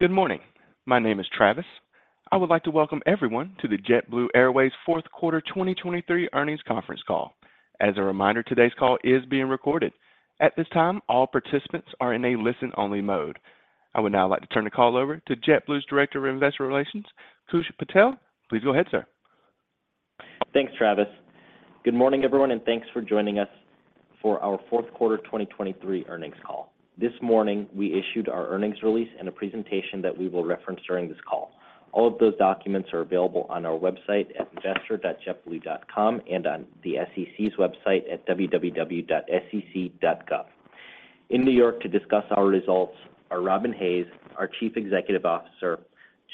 Good morning. My name is Travis. I would like to welcome everyone to the JetBlue Airways Fourth Quarter 2023 Earnings Conference Call. As a reminder, today's call is being recorded. At this time, all participants are in a listen-only mode. I would now like to turn the call over to JetBlue's Director of Investor Relations, Koosh Patel. Please go ahead, sir. Thanks, Travis. Good morning, everyone, and thanks for joining us for our fourth quarter 2023 earnings call. This morning, we issued our earnings release and a presentation that we will reference during this call. All of those documents are available on our website at investor.jetblue.com and on the SEC's website at www.sec.gov. In New York to discuss our results are Robin Hayes, our Chief Executive Officer,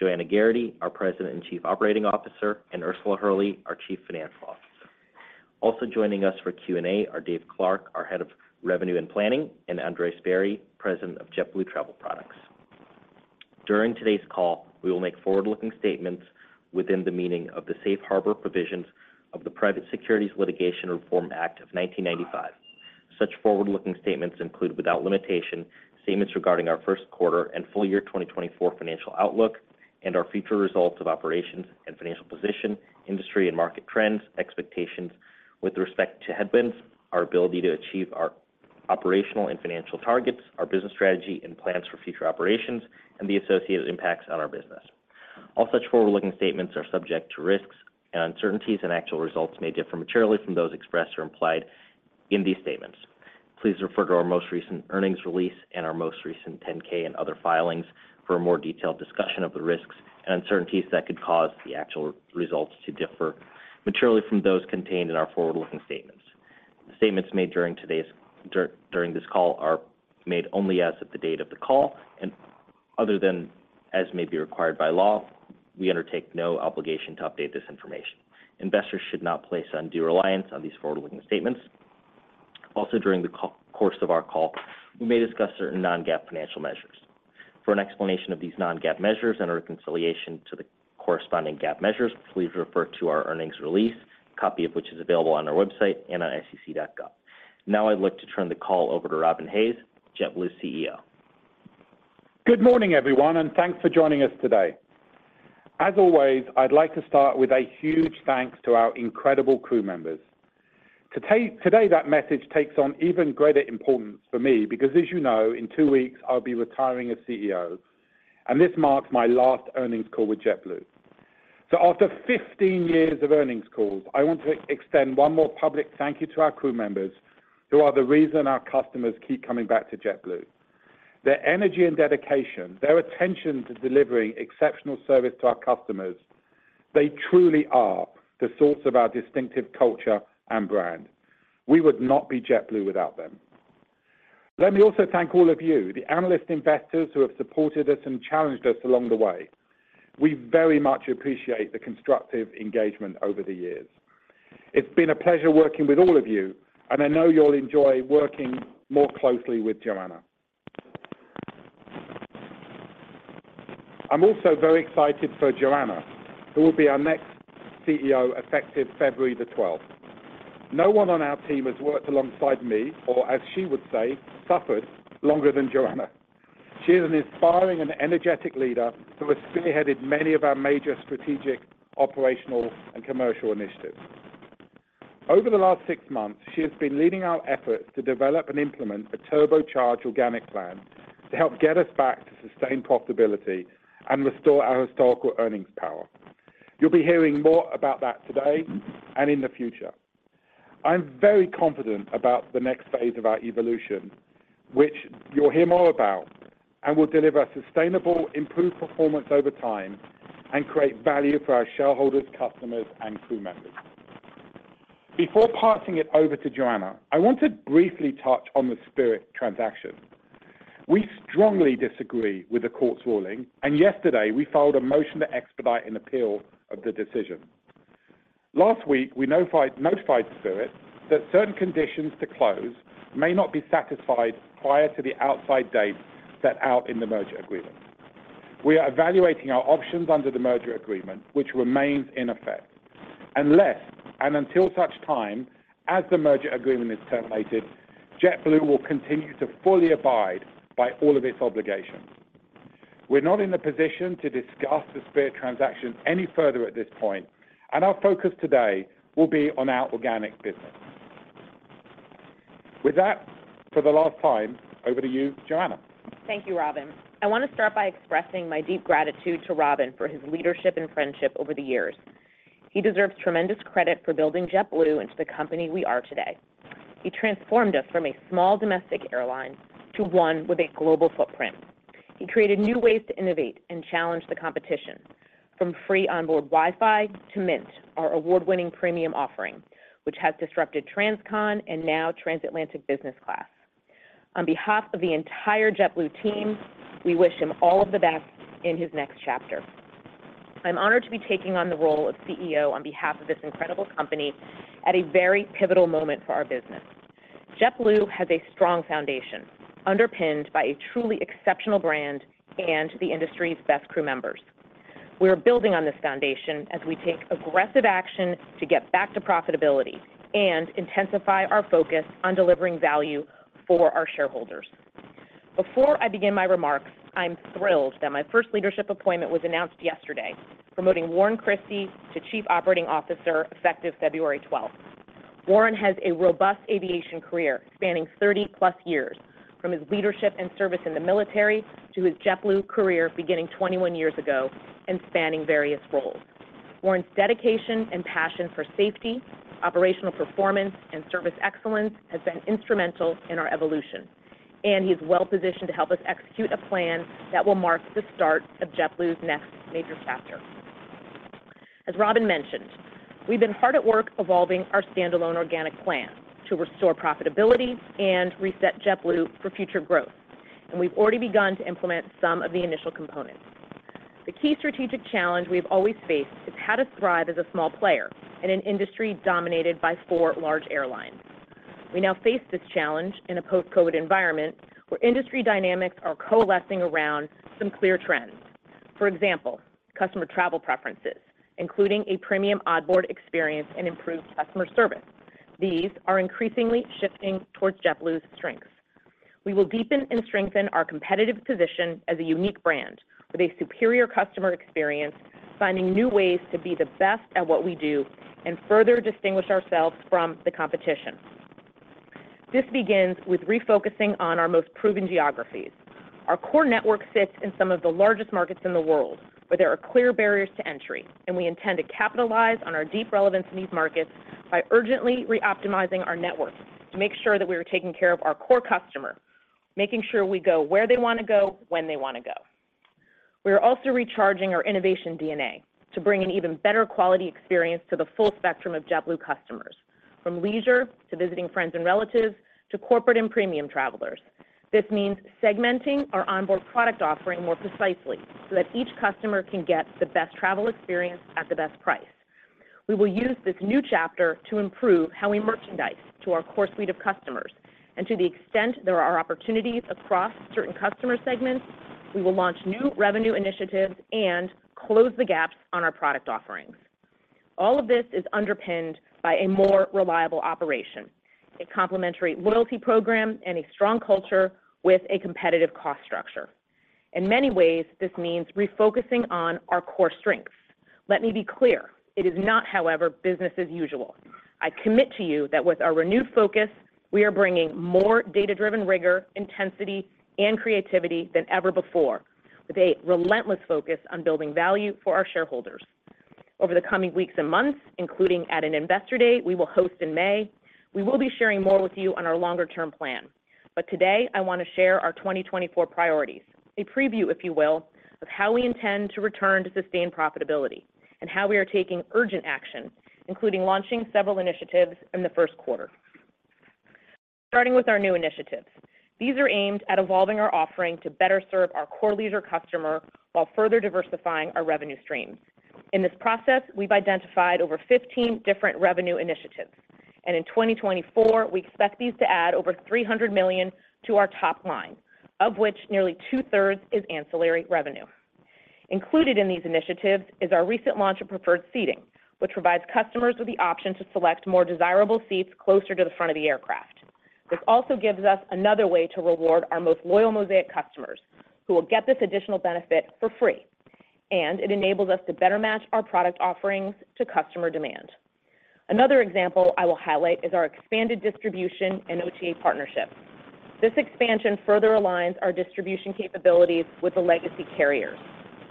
Joanna Geraghty, our President and Chief Operating Officer, and Ursula Hurley, our Chief Financial Officer. Also joining us for Q&A are Dave Clark, our Head of Revenue and Planning, and Andres Barry, President of JetBlue Travel Products. During today's call, we will make forward-looking statements within the meaning of the Safe Harbor Provisions of the Private Securities Litigation Reform Act of 1995. Such forward-looking statements include, without limitation, statements regarding our first quarter and full year 2024 financial outlook and our future results of operations and financial position, industry and market trends, expectations with respect to headwinds, our ability to achieve our operational and financial targets, our business strategy and plans for future operations, and the associated impacts on our business. All such forward-looking statements are subject to risks and uncertainties, and actual results may differ materially from those expressed or implied in these statements. Please refer to our most recent earnings release and our most recent 10-K and other filings for a more detailed discussion of the risks and uncertainties that could cause the actual results to differ materially from those contained in our forward-looking statements. The statements made during today's during this call are made only as of the date of the call, and other than as may be required by law, we undertake no obligation to update this information. Investors should not place undue reliance on these forward-looking statements. Also, during the course of our call, we may discuss certain non-GAAP financial measures. For an explanation of these non-GAAP measures and our reconciliation to the corresponding GAAP measures, please refer to our earnings release, copy of which is available on our website and on sec.gov. Now I'd like to turn the call over to Robin Hayes, JetBlue's CEO. Good morning, everyone, and thanks for joining us today. As always, I'd like to start with a huge thanks to our incredible crew members. Today, that message takes on even greater importance for me because, as in two weeks, I'll be retiring as CEO, and this marks my last earnings call with JetBlue. So after 15 years of earnings calls, I want to extend one more public thank you to our crew members, who are the reason our customers keep coming back to JetBlue. Their energy and dedication, their attention to delivering exceptional service to our customers, they truly are the source of our distinctive culture and brand. We would not be JetBlue without them. Let me also thank all of you, the analyst investors who have supported us and challenged us along the way. We very much appreciate the constructive engagement over the years. It's been a pleasure working with all of you, and I know you'll enjoy working more closely with Joanna. I'm also very excited for Joanna, who will be our next CEO, effective February 12. No one on our team has worked alongside me, or as she would say, suffered longer than Joanna. She is an inspiring and energetic leader who has spearheaded many of our major strategic, operational, and commercial initiatives. Over the last six months, she has been leading our efforts to develop and implement a turbocharged organic plan to help get us back to sustained profitability and restore our historical earnings power. You'll be hearing more about that today and in the future. I'm very confident about the next phase of our evolution, which you'll hear more about, and will deliver sustainable, improved performance over time and create value for our shareholders, customers, and crew members. Before passing it over to Joanna, I want to briefly touch on the Spirit transaction. We strongly disagree with the court's ruling, and yesterday we filed a motion to expedite an appeal of the decision. Last week, we notified Spirit that certain conditions to close may not be satisfied prior to the outside date set out in the merger agreement. We are evaluating our options under the merger agreement, which remains in effect. Unless and until such time as the merger agreement is terminated, JetBlue will continue to fully abide by all of its obligations. We're not in a position to discuss the Spirit transaction any further at this point, and our focus today will be on our organic business. With that, for the last time, over to you, Joanna. Thank you, Robin. I want to start by expressing my deep gratitude to Robin for his leadership and friendship over the years. He deserves tremendous credit for building JetBlue into the company we are today. He transformed us from a small domestic airline to one with a global footprint. He created new ways to innovate and challenge the competition, from free onboard Wi-Fi to Mint, our award-winning premium offering, which has disrupted Transcon and now Transatlantic business class. On behalf of the entire JetBlue team, we wish him all of the best in his next chapter. I'm honored to be taking on the role of CEO on behalf of this incredible company at a very pivotal moment for our business. JetBlue has a strong foundation, underpinned by a truly exceptional brand and the industry's best crew members. We are building on this foundation as we take aggressive action to get back to profitability and intensify our focus on delivering value for our shareholders. Before I begin my remarks, I'm thrilled that my first leadership appointment was announced yesterday, promoting Warren Christie to Chief Operating Officer, effective February twelfth. Warren has a robust aviation career spanning 30+ years, from his leadership and service in the military to his JetBlue career, beginning 21 years ago and spanning various roles. Warren's dedication and passion for safety, operational performance, and service excellence has been instrumental in our evolution, and he is well-positioned to help us execute a plan that will mark the start of JetBlue's next major chapter. As Robin mentioned, we've been hard at work evolving our standalone organic plan to restore profitability and reset JetBlue for future growth, and we've already begun to implement some of the initial components. The key strategic challenge we have always faced is how to thrive as a small player in an industry dominated by four large airlines. We now face this challenge in a post-COVID environment, where industry dynamics are coalescing around some clear trends. For example, customer travel preferences, including a premium onboard experience and improved customer service. These are increasingly shifting towards JetBlue's strengths. We will deepen and strengthen our competitive position as a unique brand with a superior customer experience, finding new ways to be the best at what we do and further distinguish ourselves from the competition. This begins with refocusing on our most proven geographies. Our core network sits in some of the largest markets in the world, where there are clear barriers to entry, and we intend to capitalize on our deep relevance in these markets by urgently reoptimizing our network to make sure that we are taking care of our core customer, making sure we go where they want to go, when they want to go. We are also recharging our innovation DNA to bring an even better quality experience to the full spectrum of JetBlue customers, from leisure to visiting friends and relatives to corporate and premium travelers. This means segmenting our onboard product offering more precisely so that each customer can get the best travel experience at the best price. We will use this new chapter to improve how we merchandise to our core suite of customers, and to the extent there are opportunities across certain customer segments, we will launch new revenue initiatives and close the gaps on our product offerings. All of this is underpinned by a more reliable operation, a complementary loyalty program, and a strong culture with a competitive cost structure. In many ways, this means refocusing on our core strengths. Let me be clear, it is not, however, business as usual. I commit to you that with our renewed focus, we are bringing more data-driven rigor, intensity, and creativity than ever before, with a relentless focus on building value for our shareholders. Over the coming weeks and months, including at an investor day we will host in May, we will be sharing more with you on our longer-term plan. But today, I want to share our 2024 priorities, a preview, if you will, of how we intend to return to sustained profitability and how we are taking urgent action, including launching several initiatives in the first quarter. Starting with our new initiatives, these are aimed at evolving our offering to better serve our core leisure customer while further diversifying our revenue streams. In this process, we've identified over 15 different revenue initiatives, and in 2024, we expect these to add over $300 million to our top line, of which nearly two-thirds is ancillary revenue. Included in these initiatives is our recent launch of preferred seating, which provides customers with the option to select more desirable seats closer to the front of the aircraft. This also gives us another way to reward our most loyal Mosaic customers, who will get this additional benefit for free, and it enables us to better match our product offerings to customer demand. Another example I will highlight is our expanded distribution and OTA partnerships. This expansion further aligns our distribution capabilities with the legacy carriers,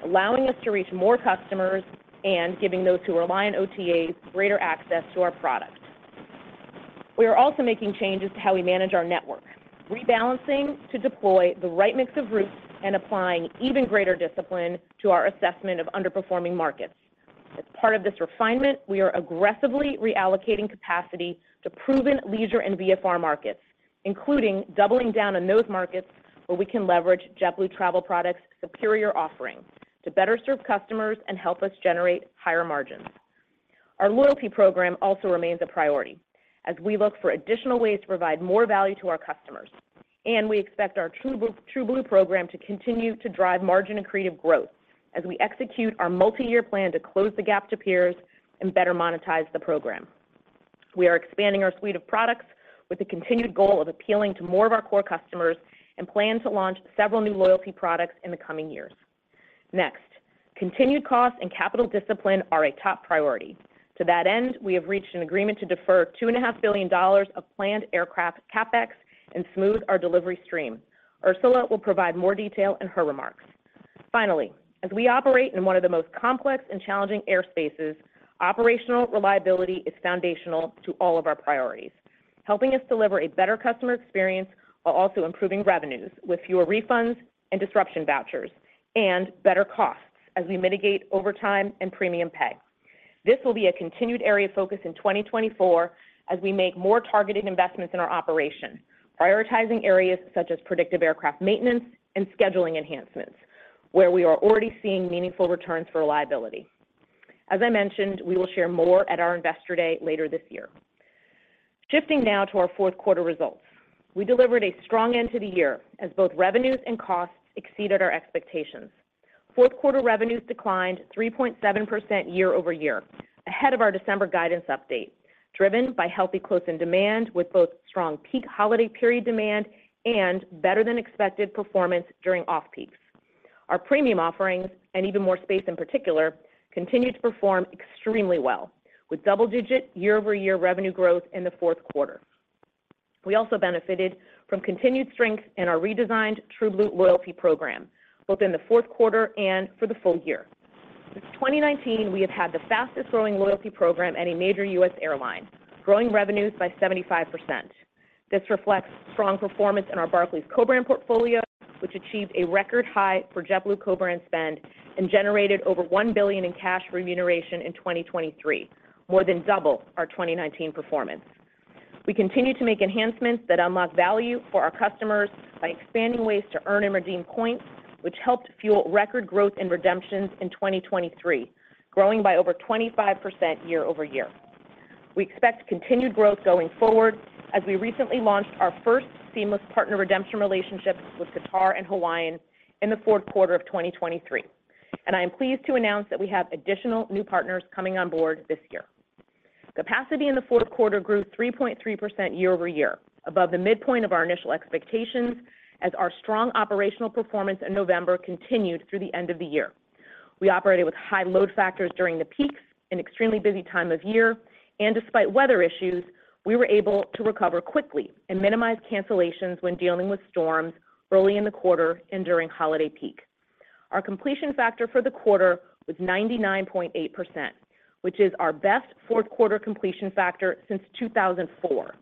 allowing us to reach more customers and giving those who rely on OTAs greater access to our product. We are also making changes to how we manage our network, rebalancing to deploy the right mix of routes and applying even greater discipline to our assessment of underperforming markets. As part of this refinement, we are aggressively reallocating capacity to proven leisure and VFR markets, including doubling down on those markets where we can leverage JetBlue Travel Products' superior offerings to better serve customers and help us generate higher margins. Our loyalty program also remains a priority as we look for additional ways to provide more value to our customers, and we expect our TrueBlue program to continue to drive margin and creative growth as we execute our multi-year plan to close the gap to peers and better monetize the program. We are expanding our suite of products with the continued goal of appealing to more of our core customers and plan to launch several new loyalty products in the coming years. Next, continued cost and capital discipline are a top priority. To that end, we have reached an agreement to defer $2.5 billion of planned aircraft CapEx and smooth our delivery stream. Ursula will provide more detail in her remarks. Finally, as we operate in one of the most complex and challenging airspaces, operational reliability is foundational to all of our priorities, helping us deliver a better customer experience while also improving revenues with fewer refunds and disruption vouchers and better costs as we mitigate overtime and premium pay. This will be a continued area of focus in 2024 as we make more targeted investments in our operation, prioritizing areas such as predictive aircraft maintenance and scheduling enhancements, where we are already seeing meaningful returns for reliability. As I mentioned, we will share more at our Investor Day later this year. Shifting now to our fourth quarter results. We delivered a strong end to the year, as both revenues and costs exceeded our expectations. Fourth-quarter revenues declined 3.7% year-over-year, ahead of our December guidance update, driven by healthy close-in demand, with both strong peak holiday period demand and better-than-expected performance during off-peaks. Our premium offerings, and Even More Space in particular, continued to perform extremely well, with double-digit year-over-year revenue growth in the fourth quarter. We also benefited from continued strength in our redesigned TrueBlue loyalty program, both in the fourth quarter and for the full year. Since 2019, we have had the fastest-growing loyalty program at a major U.S. airline, growing revenues by 75%. This reflects strong performance in our Barclays co-brand portfolio, which achieved a record high for JetBlue co-brand spend and generated over $1 billion in cash remuneration in 2023, more than double our 2019 performance. We continue to make enhancements that unlock value for our customers by expanding ways to earn and redeem points, which helped fuel record growth in redemptions in 2023, growing by over 25% year-over-year. We expect continued growth going forward, as we recently launched our first seamless partner redemption relationships with Qatar and Hawaiian in the fourth quarter of 2023, and I am pleased to announce that we have additional new partners coming on board this year. Capacity in the fourth quarter grew 3.3% year-over-year, above the midpoint of our initial expectations, as our strong operational performance in November continued through the end of the year. We operated with high load factors during the peaks, an extremely busy time of year, and despite weather issues, we were able to recover quickly and minimize cancellations when dealing with storms early in the quarter and during holiday peak. Our completion factor for the quarter was 99.8%, which is our best fourth quarter completion factor since 2004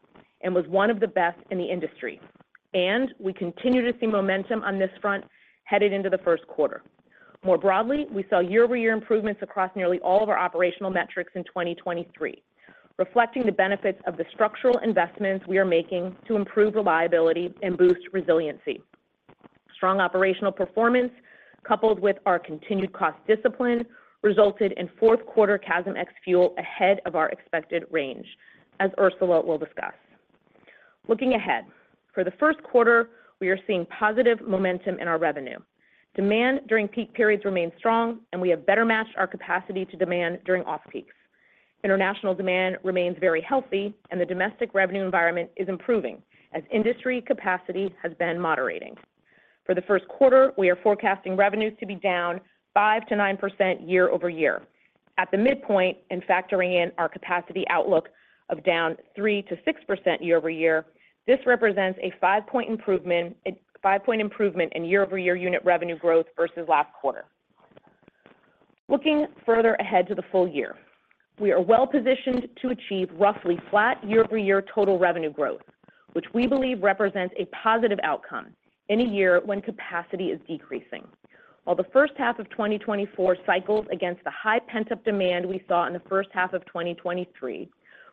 and was one of the best in the industry, and we continue to see momentum on this front headed into the first quarter. More broadly, we saw year-over-year improvements across nearly all of our operational metrics in 2023, reflecting the benefits of the structural investments we are making to improve reliability and boost resiliency. Strong operational performance, coupled with our continued cost discipline, resulted in 4th quarter CASM ex-fuel ahead of our expected range, as Ursula will discuss. Looking ahead, for the first quarter, we are seeing positive momentum in our revenue. Demand during peak periods remains strong, and we have better matched our capacity to demand during off-peaks. International demand remains very healthy, and the domestic revenue environment is improving as industry capacity has been moderating. For the first quarter, we are forecasting revenues to be down 5%-9% year-over-year. At the midpoint, in factoring in our capacity outlook of down 3%-6% year-over-year, this represents a five-point improvement, a five-point improvement in year-over-year unit revenue growth versus last quarter. Looking further ahead to the full year, we are well positioned to achieve roughly flat year-over-year total revenue growth, which we believe represents a positive outcome in a year when capacity is decreasing. While the first half of 2024 cycles against the high pent-up demand we saw in the first half of 2023,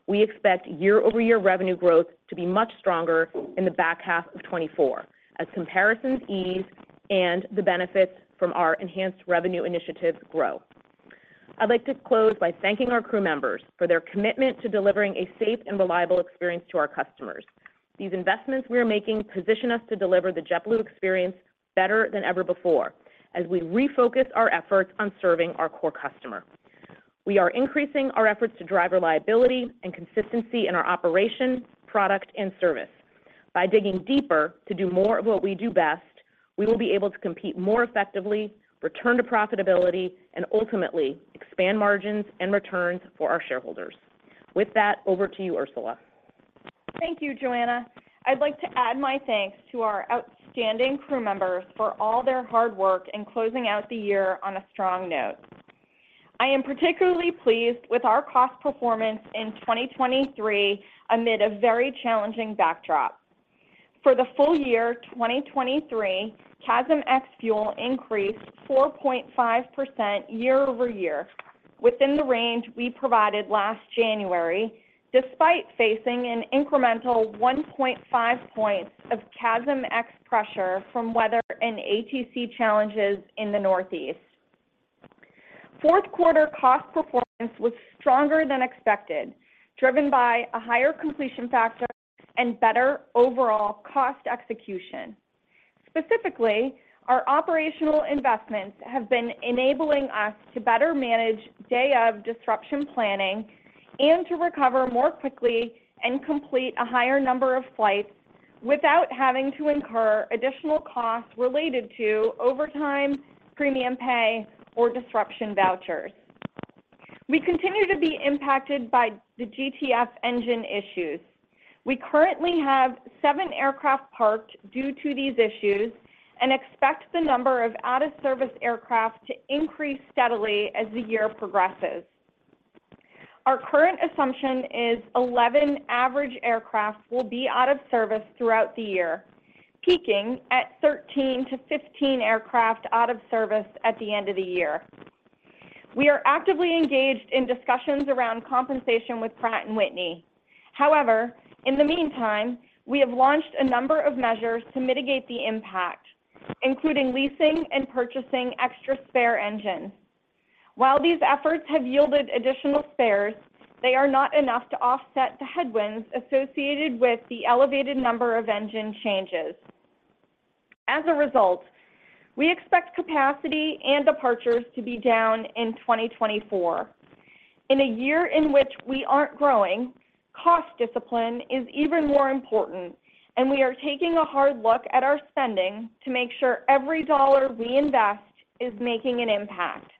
we expect year-over-year revenue growth to be much stronger in the back half of 2024 as comparisons ease and the benefits from our enhanced revenue initiatives grow. I'd like to close by thanking our crew members for their commitment to delivering a safe and reliable experience to our customers. These investments we are making position us to deliver the JetBlue experience better than ever before as we refocus our efforts on serving our core customer. We are increasing our efforts to drive reliability and consistency in our operations, product, and service. By digging deeper to do more of what we do best, we will be able to compete more effectively, return to profitability, and ultimately expand margins and returns for our shareholders. With that, over to you, Ursula. Thank you, Joanna. I'd like to add my thanks to our outstanding crew members for all their hard work in closing out the year on a strong note. I am particularly pleased with our cost performance in 2023 amid a very challenging backdrop. For the full year 2023, CASM ex-fuel increased 4.5% year-over-year within the range we provided last January, despite facing an incremental 1.5 points of CASM ex-fuel pressure from weather and ATC challenges in the Northeast. Fourth quarter cost performance was stronger than expected, driven by a higher completion factor and better overall cost execution. Specifically, our operational investments have been enabling us to better manage day-of disruption planning and to recover more quickly and complete a higher number of flights without having to incur additional costs related to overtime, premium pay, or disruption vouchers. We continue to be impacted by the GTF engine issues. We currently have 7 aircraft parked due to these issues and expect the number of out-of-service aircraft to increase steadily as the year progresses. Our current assumption is 11 average aircraft will be out of service throughout the year, peaking at 13-15 aircraft out of service at the end of the year. We are actively engaged in discussions around compensation with Pratt & Whitney. However, in the meantime, we have launched a number of measures to mitigate the impact, including leasing and purchasing extra spare engines While these efforts have yielded additional spares, they are not enough to offset the headwinds associated with the elevated number of engine changes. As a result, we expect capacity and departures to be down in 2024. In a year in which we aren't growing, cost discipline is even more important, and we are taking a hard look at our spending to make sure every dollar we invest is making an impact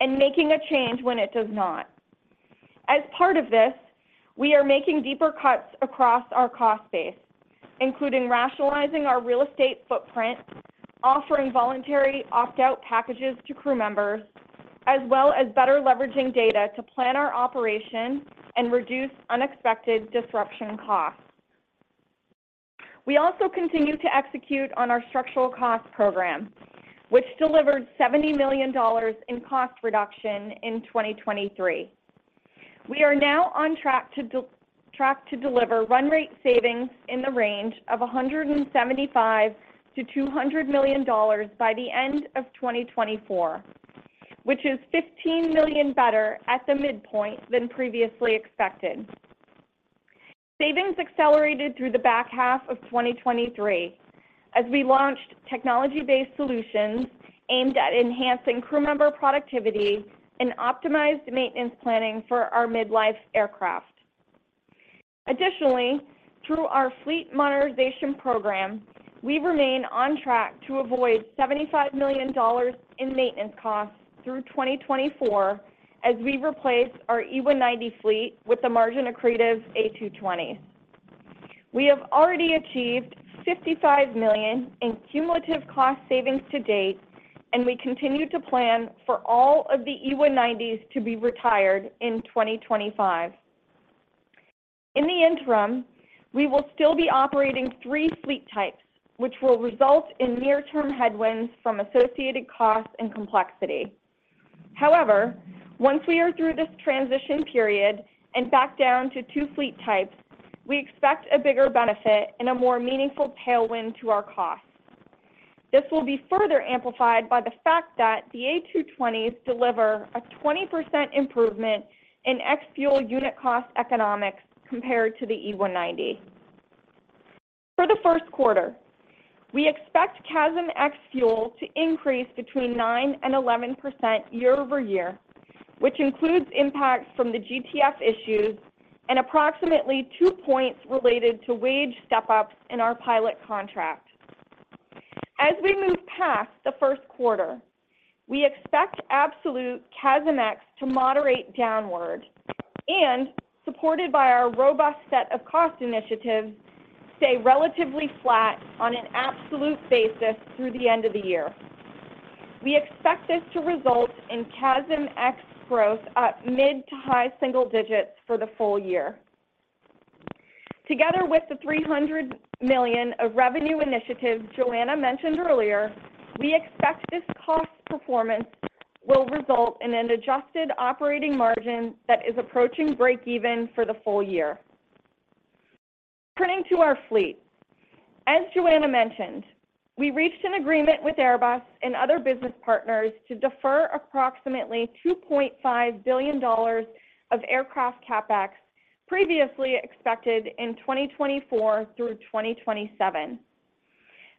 and making a change when it does not. As part of this, we are making deeper cuts across our cost base, including rationalizing our real estate footprint, offering voluntary opt-out packages to crew members, as well as better leveraging data to plan our operation and reduce unexpected disruption costs. We also continue to execute on our structural cost program, which delivered $70 million in cost reduction in 2023. We are now on track to deliver run rate savings in the range of $175 million-$200 million by the end of 2024, which is $15 million better at the midpoint than previously expected. Savings accelerated through the back half of 2023 as we launched technology-based solutions aimed at enhancing crew member productivity and optimized maintenance planning for our midlife aircraft. Additionally, through our fleet monetization program, we remain on track to avoid $75 million in maintenance costs through 2024 as we replace our E190 fleet with the margin accretive A220. We have already achieved $55 million in cumulative cost savings to date, and we continue to plan for all of the E190s to be retired in 2025. In the interim, we will still be operating three fleet types, which will result in near-term headwinds from associated costs and complexity. However, once we are through this transition period and back down to two fleet types, we expect a bigger benefit and a more meaningful tailwind to our costs. This will be further amplified by the fact that the A220s deliver a 20% improvement in ex-fuel unit cost economics compared to the E190. For the first quarter, we expect CASM ex-fuel to increase between 9% and 11% year-over-year, which includes impacts from the GTF issues and approximately 2 points related to wage step-ups in our pilot contract. As we move past the first quarter, we expect absolute CASM ex to moderate downward and, supported by our robust set of cost initiatives, stay relatively flat on an absolute basis through the end of the year. We expect this to result in CASM ex growth at mid- to high-single digits for the full year. Together with the $300 million of revenue initiatives Joanna mentioned earlier, we expect this cost performance will result in an adjusted operating margin that is approaching breakeven for the full year. Turning to our fleet, as Joanna mentioned, we reached an agreement with Airbus and other business partners to defer approximately $2.5 billion of aircraft CapEx previously expected in 2024 through 2027.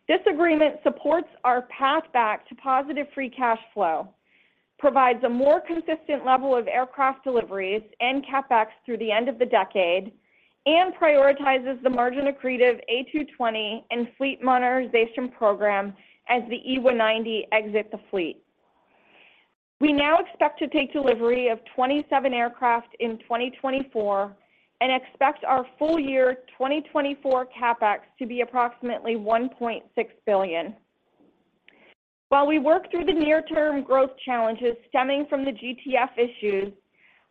This agreement supports our path back to positive free cash flow, provides a more consistent level of aircraft deliveries and CapEx through the end of the decade, and prioritizes the margin accretive A220 and fleet monetization program as the E190 exit the fleet. We now expect to take delivery of 27 aircraft in 2024 and expect our full year 2024 CapEx to be approximately $1.6 billion. While we work through the near-term growth challenges stemming from the GTF issues,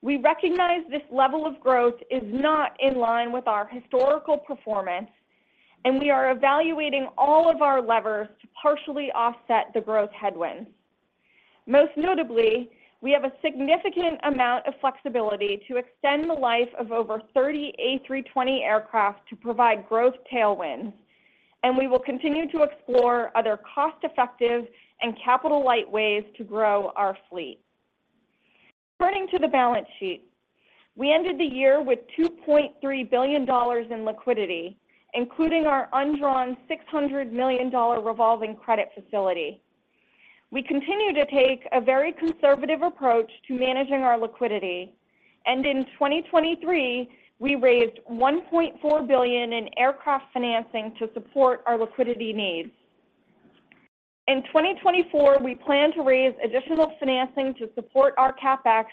we recognize this level of growth is not in line with our historical performance, and we are evaluating all of our levers to partially offset the growth headwinds. Most notably, we have a significant amount of flexibility to extend the life of over 30 A320 aircraft to provide growth tailwinds, and we will continue to explore other cost-effective and capital-light ways to grow our fleet. Turning to the balance sheet, we ended the year with $2.3 billion in liquidity, including our undrawn $600 million revolving credit facility. We continue to take a very conservative approach to managing our liquidity, and in 2023, we raised $1.4 billion in aircraft financing to support our liquidity needs. In 2024, we plan to raise additional financing to support our CapEx,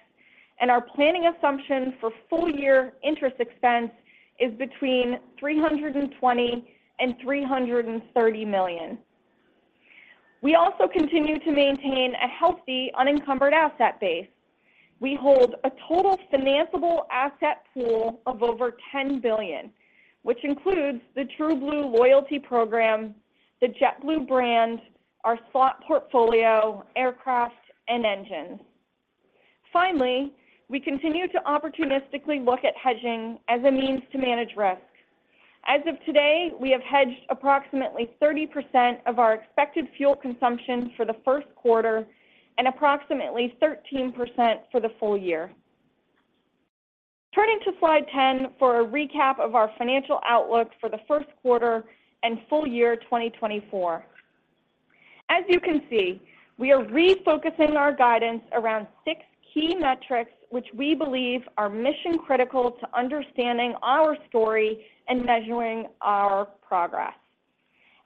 and our planning assumption for full-year interest expense is between $320 million and $330 million. We also continue to maintain a healthy, unencumbered asset base. We hold a total financeable asset pool of over $10 billion, which includes the TrueBlue loyalty program, the JetBlue brand, our slot portfolio, aircraft, and engines. Finally, we continue to opportunistically look at hedging as a means to manage risk. As of today, we have hedged approximately 30% of our expected fuel consumption for the 1st quarter and approximately 13% for the full year. Turning to slide 10 for a recap of our financial outlook for the 1st quarter and full year, 2024. As you can see, we are refocusing our guidance around 6 key metrics, which we believe are mission critical to understanding our story and measuring our progress.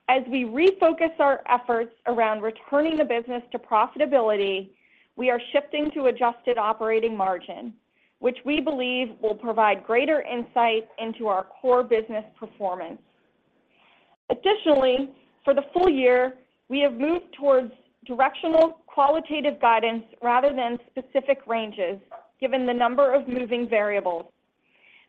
As we refocus our efforts around returning the business to profitability, we are shifting to adjusted operating margin, which we believe will provide greater insight into our core business performance. Additionally, for the full year, we have moved towards directional qualitative guidance rather than specific ranges, given the number of moving variables.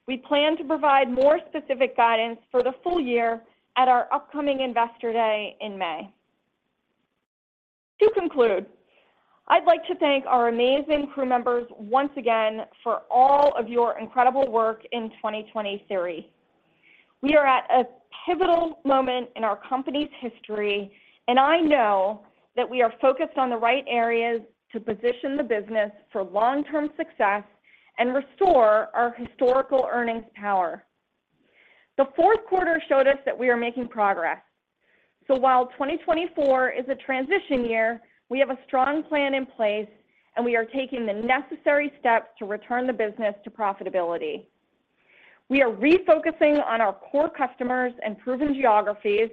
We plan to provide more specific guidance for the full year at our upcoming Investor Day in May. To conclude, I'd like to thank our amazing crew members once again for all of your incredible work in 2023. We are at a pivotal moment in our company's history, and I know that we are focused on the right areas to position the business for long-term success and restore our historical earnings power. The fourth quarter showed us that we are making progress. So while 2024 is a transition year, we have a strong plan in place, and we are taking the necessary steps to return the business to profitability. We are refocusing on our core customers and proven geographies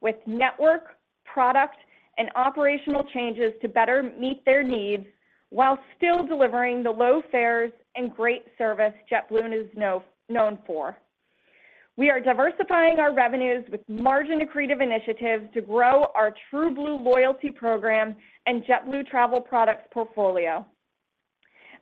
with network, product, and operational changes to better meet their needs while still delivering the low fares and great service JetBlue is known for. We are diversifying our revenues with margin-accretive initiatives to grow our TrueBlue loyalty program and JetBlue Travel Products portfolio.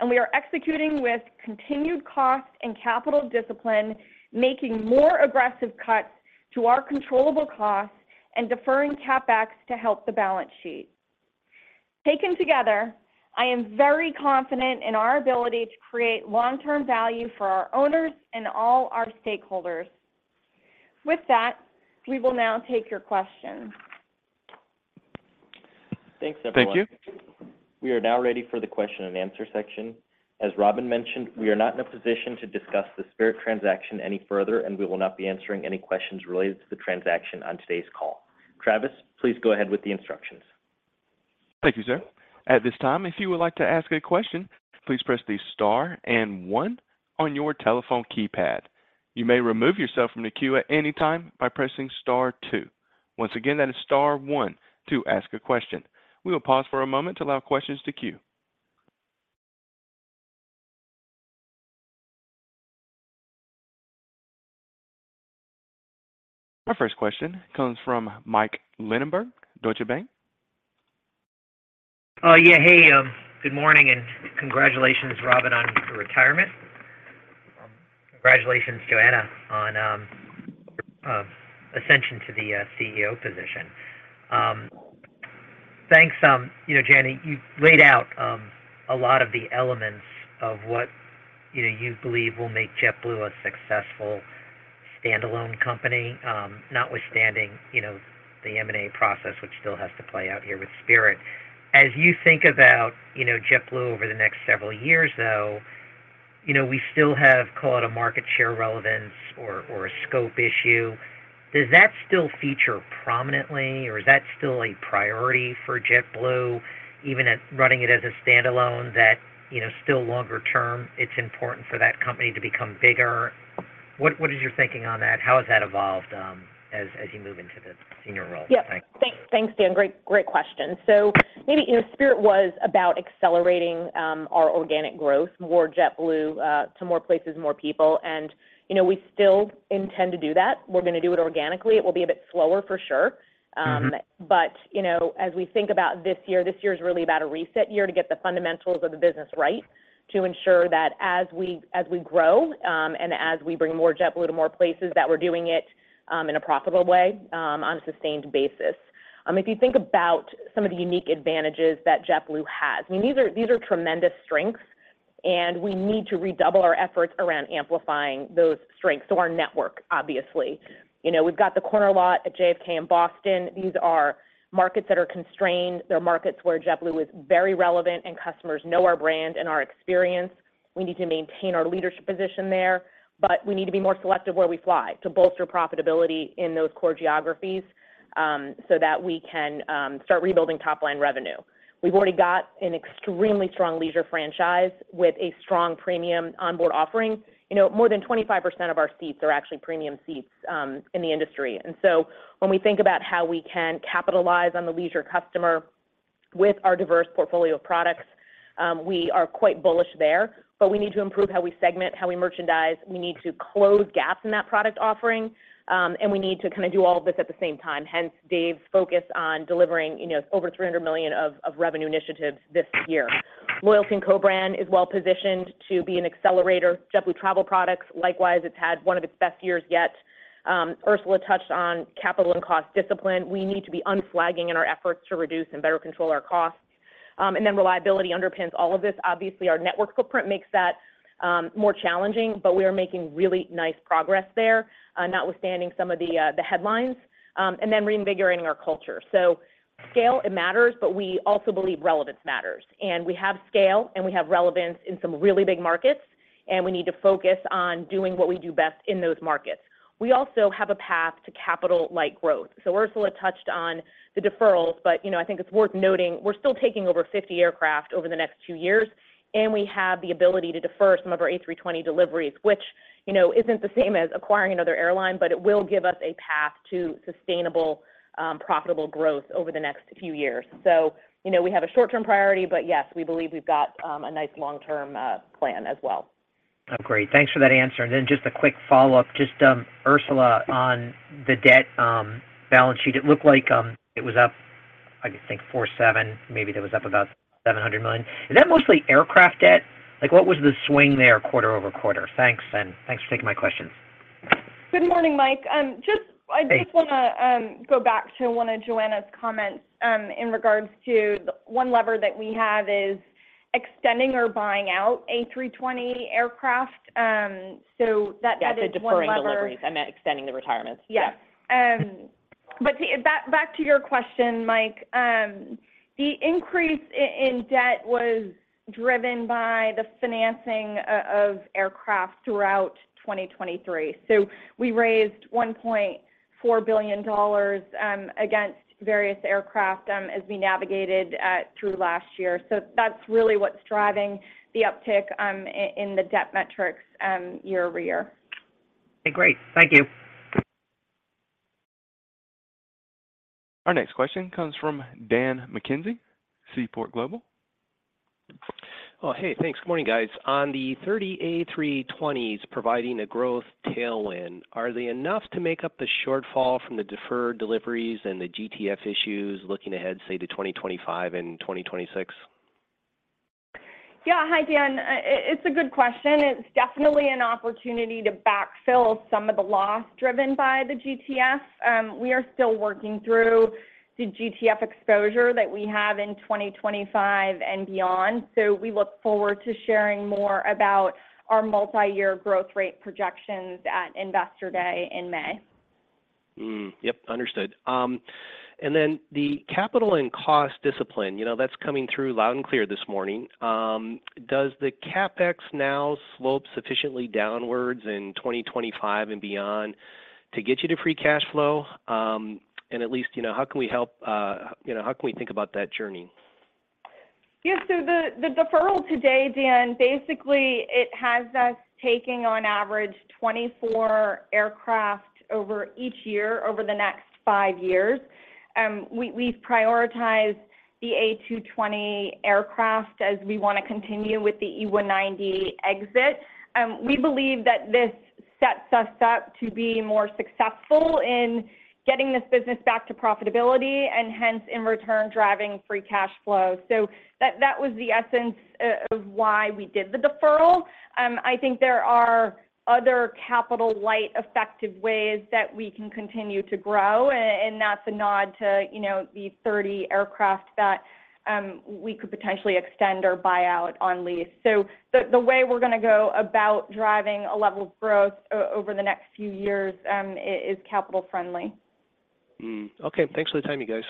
We are executing with continued cost and capital discipline, making more aggressive cuts to our controllable costs and deferring CapEx to help the balance sheet. Taken together, I am very confident in our ability to create long-term value for our owners and all our stakeholders. With that, we will now take your questions. Thanks, everyone. Thank you. We are now ready for the question and answer section. As Robin mentioned, we are not in a position to discuss the Spirit transaction any further, and we will not be answering any questions related to the transaction on today's call. Travis, please go ahead with the instructions. Thank you, sir. At this time, if you would like to ask a question, please press the star and 1 on your telephone keypad. You may remove yourself from the queue at any time by pressing star two. Once again, that is star 1 to ask a question. We will pause for a moment to allow questions to queue. Our first question comes from Mike Linenberg, Deutsche Bank. Yeah. Hey, good morning, and congratulations, Robin, on your retirement. Congratulations, Joanna, on ascension to the CEO position. Thanks, Joanna, you laid out a lot of the elements of what, you believe will make JetBlue a successful standalone company, notwithstanding, the M&A process, which still has to play out here with Spirit. As you think about, JetBlue over the next several years, though, we still have, call it a market share relevance or a scope issue. Does that still feature prominently, or is that still a priority for JetBlue, even at running it as a standalone that, still longer term, it's important for that company to become bigger? What is your thinking on that? How has that evolved, as you move into the senior role? Yeah. Thanks. Thanks, Linenberg. Great, great question. So maybe, Spirit was about accelerating our organic growth, more JetBlue to more places, more people, and, we still intend to do that. We're going to do it organically. It will be a bit slower for sure. But, as we think about this year, this year is really about a reset year to get the fundamentals of the business right, to ensure that as we grow, and as we bring more JetBlue to more places, that we're doing it in a profitable way on a sustained basis. If you think about some of the unique advantages that JetBlue has, I mean, these are tremendous strengths, and we need to redouble our efforts around amplifying those strengths. So our network, obviously. We've got the corner lot at JFK in Boston. These are markets that are constrained. They're markets where JetBlue is very relevant, and customers know our brand and our experience. We need to maintain our leadership position there, but we need to be more selective where we fly to bolster profitability in those core geographies, so that we can start rebuilding top-line revenue. We've already got an extremely strong leisure franchise with a strong premium onboard offering. more than 25% of our seats are actually premium seats in the industry. And so when we think about how we can capitalize on the leisure customer with our diverse portfolio of products, we are quite bullish there, but we need to improve how we segment, how we merchandise. We need to close gaps in that product offering, and we need to kind of do all of this at the same time. Hence, Dave's focus on delivering, over $300 million of revenue initiatives this year. Loyalty and co-brand is well-positioned to be an accelerator. JetBlue Travel Products, likewise, it's had one of its best years yet. Ursula touched on capital and cost discipline. We need to be unflagging in our efforts to reduce and better control our costs. and then reliability underpins all of this. Obviously, our network footprint makes that more challenging, but we are making really nice progress there, notwithstanding some of the headlines, and then reinvigorating our culture. So scale, it matters, but we also believe relevance matters. And we have scale, and we have relevance in some really big markets, and we need to focus on doing what we do best in those markets. We also have a path to capital-light growth. So Ursula touched on the deferrals, but, I think it's worth noting, we're still taking over 50 aircraft over the next 2 years, and we have the ability to defer some of our A320 deliveries, which, isn't the same as acquiring another airline, but it will give us a path to sustainable profitable growth over the next few years. So, we have a short-term priority, but yes, we believe we've got a nice long-term plan as well. Oh, great. Thanks for that answer. And then just a quick follow-up. Just Ursula, on the debt balance sheet, it looked like it was up, I think, 47, maybe that was up about $700 million. Is that mostly aircraft debt? Like, what was the swing there quarter-over-quarter? Thanks, and thanks for taking my questions. Good morning, Mike. Hey. I just wanna go back to one of Joanna's comments in regards to the one lever that we have is extending or buying out A320 aircraft. So that- Yeah, the deferring deliveries. I meant extending the retirements. Yes. Yeah. Back to your question, Mike, the increase in debt was driven by the financing of aircraft throughout 2023. So we raised $1.4 billion against various aircraft as we navigated through last year. So that's really what's driving the uptick in the debt metrics year-over-year. Okay, great. Thank you. Our next question comes from Dan McKenzie, Seaport Global. Well, hey, thanks. Good morning, guys. On the 30 A320s providing a growth tailwind, are they enough to make up the shortfall from the deferred deliveries and the GTF issues looking ahead, say, to 2025 and 2026? Yeah. Hi, Dan. It's a good question. It's definitely an opportunity to backfill some of the loss driven by the GTF. We are still working through the GTF exposure that we have in 2025 and beyond, so we look forward to sharing more about our multi year growth rate projections at Investor Day in May. Yep, understood. And then the capital and cost discipline, that's coming through loud and clear this morning. Does the CapEx now slope sufficiently downwards in 2025 and beyond to get you to free cash flow? And at least, how can we help, how can we think about that journey? Yeah, so the deferral today, Dan, basically, it has us taking on average 24 aircraft over each year, over the next 5 years. We've prioritized the A220 aircraft as we wanna continue with the E190 exit. We believe that this sets us up to be more successful in getting this business back to profitability and hence, in return, driving free cash flow. So that was the essence of why we did the deferral. I think there are other capital light effective ways that we can continue to grow, and that's a nod to, the 30 aircraft that we could potentially extend or buyout on lease. So the way we're gonna go about driving a level of growth over the next few years is capital friendly. Okay. Thanks for the time, you guys.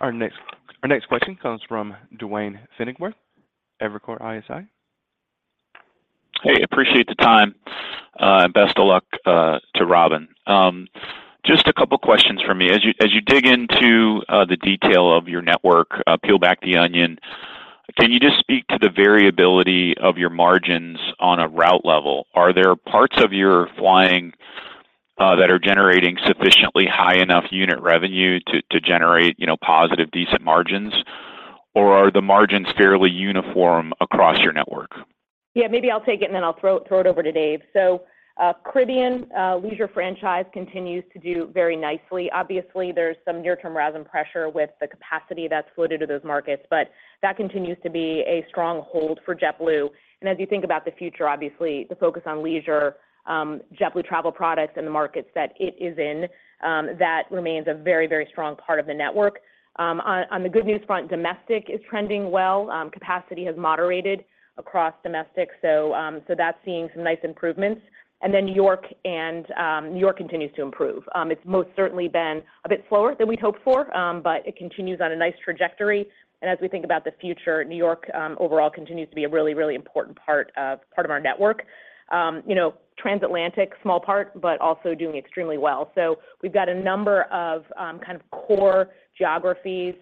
Our next question comes from Duane Pfennigwerth, Evercore ISI. Hey, appreciate the time, and best of luck to Robin. Just a couple questions from me. As you dig into the detail of your network, peel back the onion, can you just speak to the variability of your margins on a route level? Are there parts of your flying that are generating sufficiently high enough unit revenue to generate, positive, decent margins, or are the margins fairly uniform across your network? Yeah, maybe I'll take it, and then I'll throw it over to Dave. So, Caribbean leisure franchise continues to do very nicely. Obviously, there's some near-term RASM pressure with the capacity that's floated to those markets, but that continues to be a strong hold for JetBlue. And as you think about the future, obviously, the focus on leisure, JetBlue Travel Products and the markets that it is in, that remains a very, very strong part of the network. On the good news front, domestic is trending well. Capacity has moderated across domestic, so that's seeing some nice improvements. And then New York continues to improve. It's most certainly been a bit slower than we'd hoped for, but it continues on a nice trajectory. As we think about the future, New York overall continues to be a really, really important part of our network. transatlantic, small part, but also doing extremely well. So we've got a number of kind of core geographies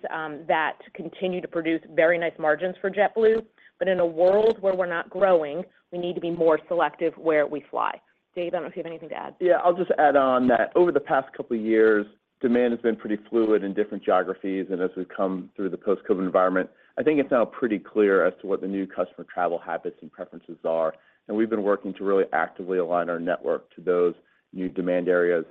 that continue to produce very nice margins for JetBlue. But in a world where we're not growing, we need to be more selective where we fly. Dave, I don't know if you have anything to add. Yeah, I'll just add on that over the past couple of years, demand has been pretty fluid in different geographies, and as we've come through the post-COVID environment, I think it's now pretty clear as to what the new customer travel habits and preferences are, and we've been working to really actively align our network to those new demand areas.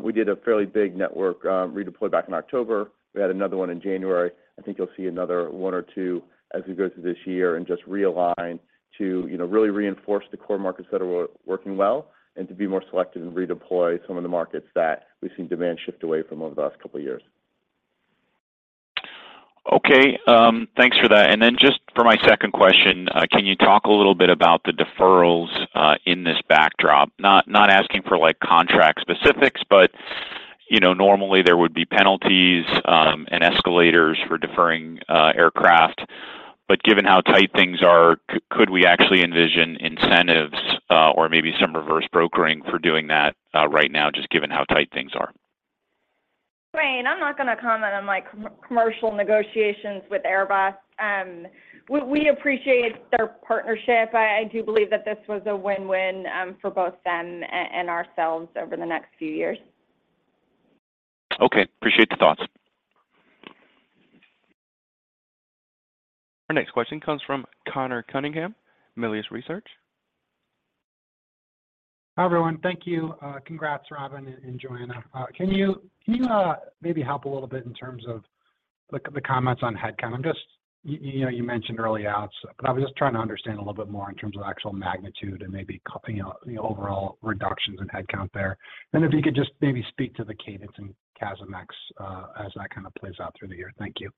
We did a fairly big network redeployed back in October. We had another one in January. I think you'll see another one or two as we go through this year and just realign to, really reinforce the core markets that are working well and to be more selective and redeploy some of the markets that we've seen demand shift away from over the last couple of years. Okay, thanks for that. And then just for my second question, can you talk a little bit about the deferrals in this backdrop? Not asking for, like, contract specifics, but normally there would be penalties and escalators for deferring aircraft. But given how tight things are, could we actually envision incentives or maybe some reverse brokering for doing that right now, just given how tight things are? Duane, I'm not gonna comment on my commercial negotiations with Airbus. We appreciate their partnership. I do believe that this was a win-win for both them and ourselves over the next few years. Okay. Appreciate the thoughts. Our next question comes from Conor Cunningham, Melius Research. Hi, everyone. Thank you. Congrats, Robin and Joanna. Can you maybe help a little bit in terms of the comments on headcount? I'm just, you mentioned early outs, but I was just trying to understand a little bit more in terms of actual magnitude and maybe, the overall reductions in headcount there. And if you could just maybe speak to the cadence in CASM ex, as that kind of plays out through the year. Thank you.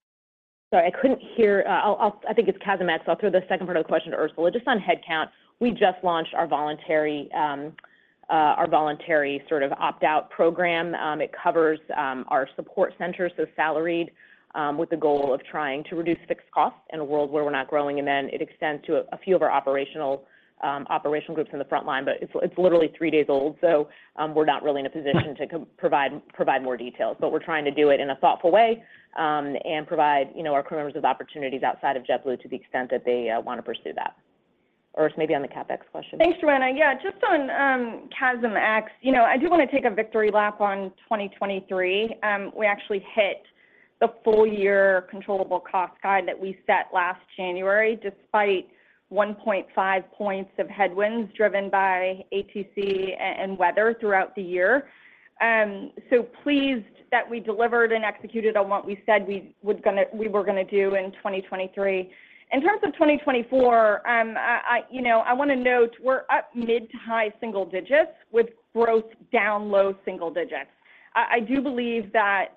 Sorry, I couldn't hear. I'll think it's CASM ex, so I'll throw the second part of the question to Ursula. Just on headcount, we just launched our voluntary sort of opt-out program. It covers our support centers, so salaried, with the goal of trying to reduce fixed costs in a world where we're not growing, and then it extends to a few of our operational groups in the frontline, but it's literally 3 days old, so we're not really in a position to provide more details. But we're trying to do it in a thoughtful way, and provide, our crew members with opportunities outside of JetBlue to the extent that they want to pursue that. Urs, maybe on the CapEx question. Thanks, Joanna. Yeah, just on CASM ex, I do want to take a victory lap on 2023. We actually hit the full year controllable cost guide that we set last January, despite 1.5 points of headwinds, driven by ATC and weather throughout the year. So pleased that we delivered and executed on what we said we were gonna do in 2023. In terms of 2024, I want to note we're up mid- to high-single digits, with growth down low-single digits. I do believe that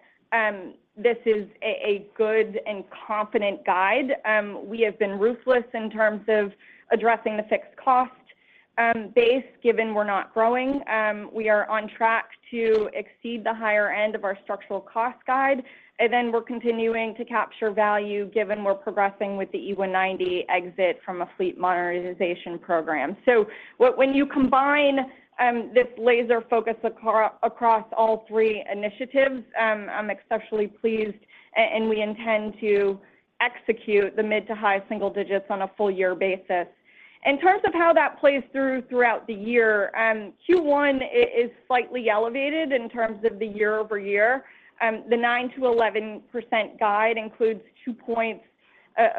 this is a good and confident guide. We have been ruthless in terms of addressing the fixed cost base, given we're not growing. We are on track to exceed the higher end of our structural cost guide, and then we're continuing to capture value, given we're progressing with the E190 exit from a fleet monetization program. So when you combine this laser focus across all 3 initiatives, I'm exceptionally pleased, and we intend to execute the mid- to high-single-digits on a full year basis. In terms of how that plays through throughout the year, Q1 is slightly elevated in terms of the year-over-year. The 9%-11% guide includes 2 points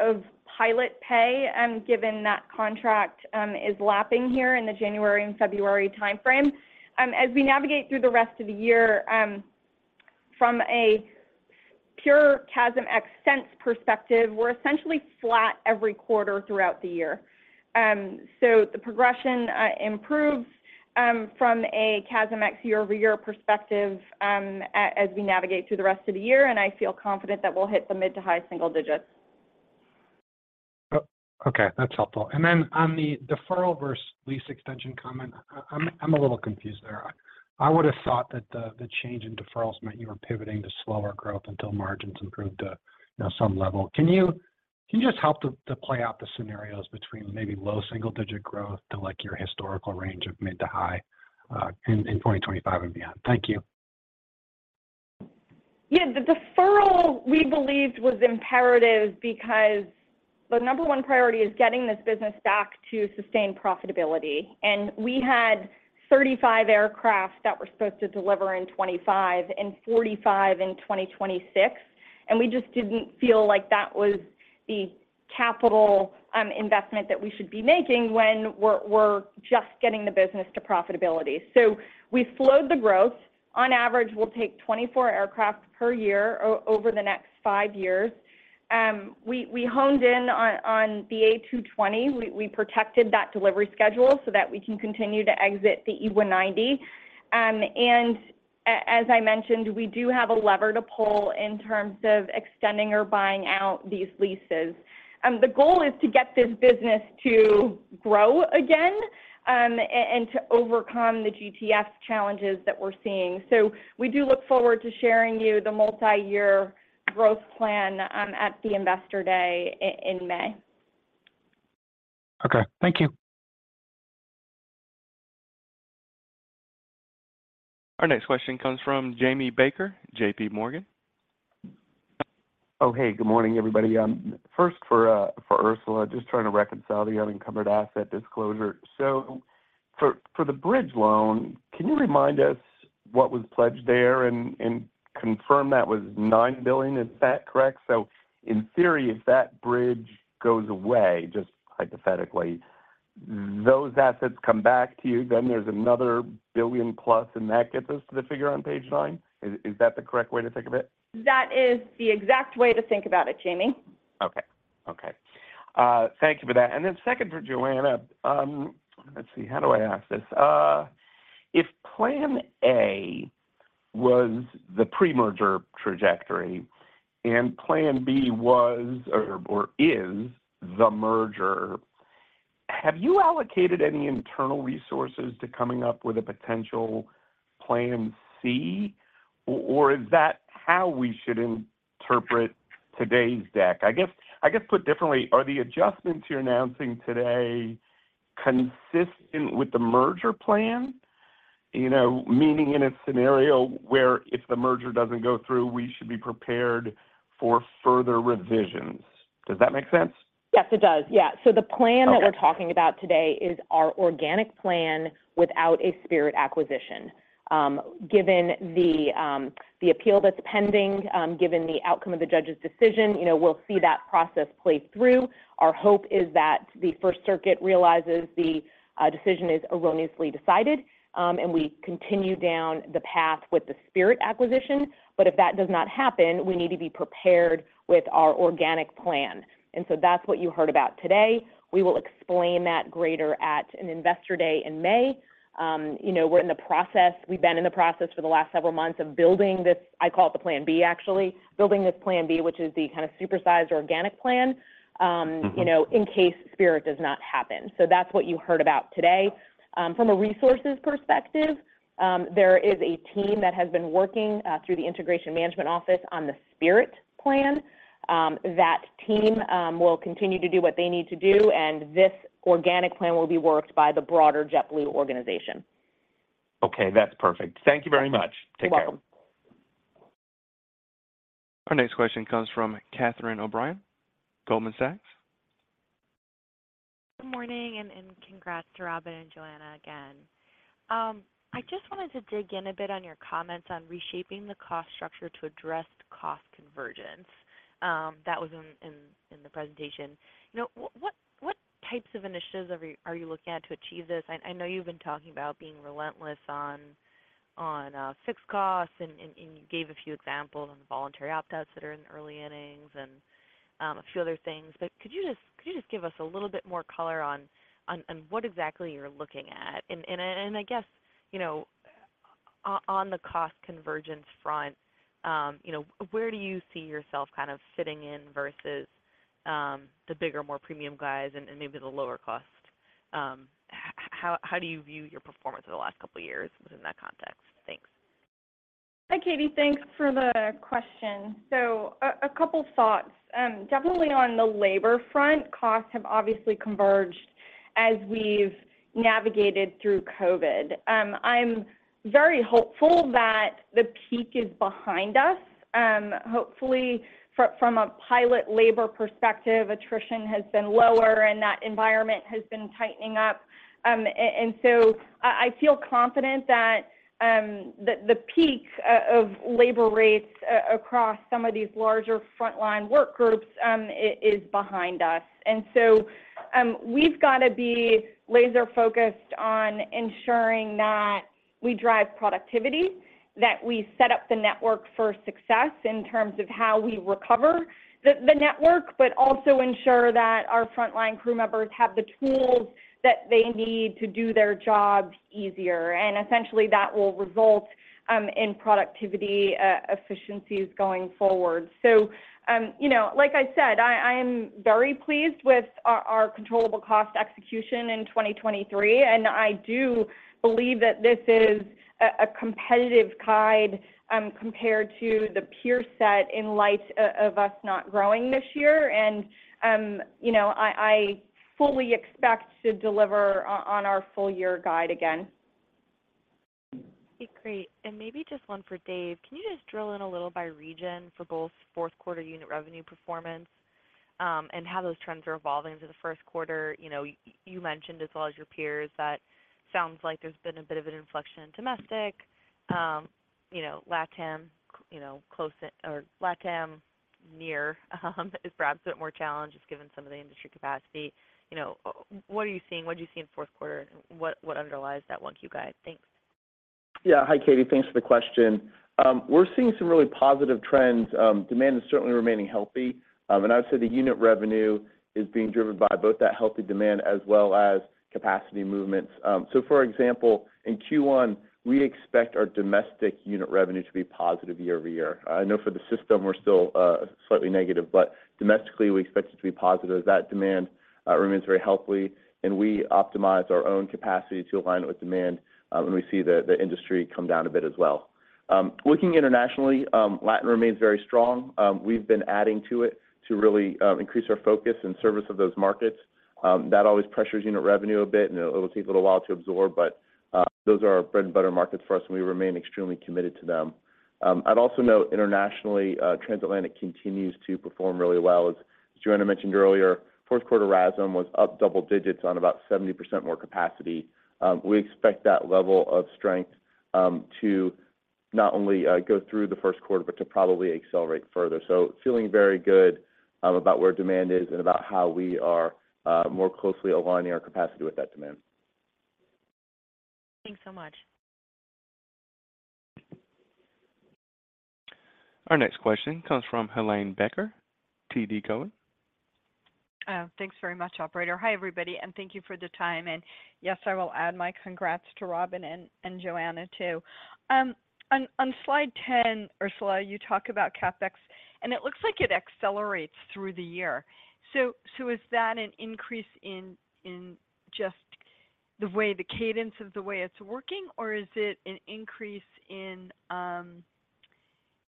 of pilot pay, given that contract is lapping here in the January and February timeframe. As we navigate through the rest of the year, from a pure CASM ex sense perspective, we're essentially flat every quarter throughout the year. So the progression improves from a CASM ex year-over-year perspective, as we navigate through the rest of the year, and I feel confident that we'll hit the mid- to high-single digits. Okay, that's helpful. Then on the deferral versus lease extension comment, I'm a little confused there. I would have thought that the change in deferrals meant you were pivoting to slower growth until margins improved to, some level. Can you just help to play out the scenarios between maybe low single-digit growth to, like, your historical range of mid to high in 2025 and beyond? Thank you. Yeah, the deferral, we believed, was imperative because the number one priority is getting this business back to sustained profitability. We had 35 aircraft that were supposed to deliver in 2025 and 45 in 2026, and we just didn't feel like that was the capital investment that we should be making when we're just getting the business to profitability. So we slowed the growth. On average, we'll take 24 aircraft per year over the next five years. We honed in on the A220. We protected that delivery schedule so that we can continue to exit the E190. And as I mentioned, we do have a lever to pull in terms of extending or buying out these leases. The goal is to get this business to grow again, and to overcome the GTF challenges that we're seeing. So we do look forward to sharing you the multiyear growth plan at the Investor Day in May. Okay. Thank you. Our next question comes from Jamie Baker, JP Morgan. Oh, hey, good morning, everybody. First for Ursula, just trying to reconcile the unencumbered asset disclosure. So for the bridge loan, can you remind us what was pledged there and confirm that was $9 billion? Is that correct? So in theory, if that bridge goes away, just hypothetically, those assets come back to you, then there's another $1 billion plus, and that gets us to the figure on page 9. Is that the correct way to think of it? That is the exact way to think about it, Jamie. Okay. Okay, thank you for that. And then second for Joanna, let's see, how do I ask this? If plan A was the pre-merger trajectory, and plan B was or is the merger, have you allocated any internal resources to coming up with a potential plan C, or is that how we should interpret today's deck? I guess put differently, are the adjustments you're announcing today consistent with the merger plan? meaning in a scenario where if the merger doesn't go through, we should be prepared for further revisions. Does that make sense? Yes, it does. Yeah. So the plan that we're talking about today is our organic plan without a Spirit acquisition. Given the appeal that's pending, given the outcome of the judge's decision, we'll see that process play through. Our hope is that the First Circuit realizes the decision is erroneously decided, and we continue down the path with the Spirit acquisition. But if that does not happen, we need to be prepared with our organic plan. And so that's what you heard about today. We will explain that greater at an Investor Day in May. we're in the process, we've been in the process for the last several months of building this, I call it the plan B, actually, building this plan B, which is the kind of supersized organic plan. in case Spirit does not happen. So that's what you heard about today. From a resources perspective, there is a team that has been working through the Integration Management Office on the Spirit plan. That team will continue to do what they need to do, and this organic plan will be worked by the broader JetBlue organization. Okay, that's perfect. Thank you very much. You're welcome. Take care. Our next question comes from Catherine O'Brien, Goldman Sachs. Good morning, and congrats to Robin and Joanna again. I just wanted to dig in a bit on your comments on reshaping the cost structure to address cost convergence, that was in the presentation. what types of initiatives are you looking at to achieve this? I know you've been talking about being relentless on fixed costs, and you gave a few examples on the voluntary opt-outs that are in the early innings and a few other things. But could you just give us a little bit more color on what exactly you're looking at? I guess, on the cost convergence front, where do you see yourself kind of fitting in versus the bigger, more premium guys and maybe the lower cost? How do you view your performance over the last couple of years within that context? Thanks. Hi, Catie. Thanks for the question. So a couple thoughts. Definitely on the labor front, costs have obviously converged as we've navigated through COVID. I'm very hopeful that the peak is behind us. Hopefully, from a pilot labor perspective, attrition has been lower, and that environment has been tightening up. And so I feel confident that the peak of labor rates across some of these larger frontline work groups is behind us. And so we've got to be laser-focused on ensuring that we drive productivity, that we set up the network for success in terms of how we recover the network, but also ensure that our frontline crew members have the tools that they need to do their jobs easier, and essentially, that will result in productivity efficiencies going forward. So, like I said, I'm very pleased with our controllable cost execution in 2023, and I do believe that this is a competitive guide compared to the peer set in light of us not growing this year. And I fully expect to deliver on our full year guide again. Okay, great. And maybe just one for Dave. Can you just drill in a little by region for both fourth quarter unit revenue performance, and how those trends are evolving into the first quarter? you mentioned, as well as your peers, that sounds like there's been a bit of an inflection in domestic, LatAm, close it or LatAm near, is perhaps a bit more challenged just given some of the industry capacity. what are you seeing? What did you see in 4th quarter? What, what underlies that 1Q guide? Thanks. Yeah. Hi, Catie. Thanks for the question. We're seeing some really positive trends. Demand is certainly remaining healthy, and I would say the unit revenue is being driven by both that healthy demand as well as capacity movements. So for example, in Q1, we expect our domestic unit revenue to be positive year-over-year. I know for the system, we're still slightly negative, but domestically, we expect it to be positive. That demand remains very healthy, and we optimize our own capacity to align it with demand when we see the industry come down a bit as well. Looking internationally, Latin remains very strong. We've been adding to it to really increase our focus and service of those markets. That always pressures unit revenue a bit, and it'll take a little while to absorb, but those are our bread and butter markets for us, and we remain extremely committed to them. I'd also note internationally, transatlantic continues to perform really well. As Joanna mentioned earlier, fourth quarter RASM was up double digits on about 70% more capacity. We expect that level of strength to not only go through the first quarter, but to probably accelerate further. So feeling very good about where demand is and about how we are more closely aligning our capacity with that demand. Thanks so much. Our next question comes from Helane Becker, TD Cowen. Thanks very much, operator. Hi, everybody, and thank you for the time, and yes, I will add my congrats to Robin and Joanna, too. On slide 10, Ursula, you talk about CapEx, and it looks like it accelerates through the year. So is that an increase in just the way the cadence of the way it's working, or is it an increase in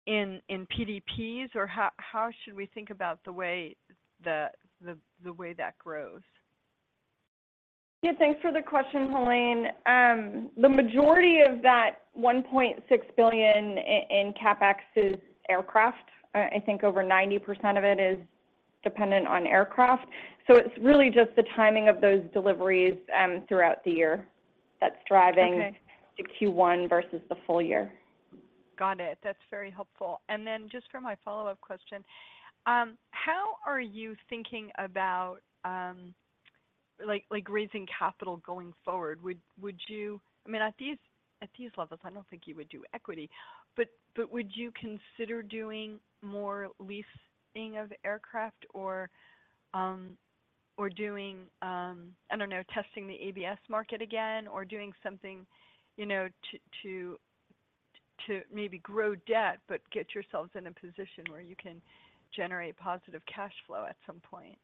PDPs? Or how should we think about the way that grows? Yeah, thanks for the question, Helane. The majority of that $1.6 billion in CapEx is aircraft. I think over 90% of it is dependent on aircraft. So it's really just the timing of those deliveries throughout the year that's driving the Q1 versus the full year. Got it. That's very helpful. And then just for my follow-up question, how are you thinking about, like, like raising capital going forward? Would, would you I mean, at these, at these levels, I don't think you would do equity, but, but would you consider doing more leasing of aircraft or, or doing, I don't know, testing the ABS market again or doing something, to, to, to maybe grow debt but get yourselves in a position where you can generate positive cash flow at some point?